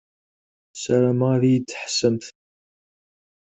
Sarameɣ ad yi-d-tḥessemt.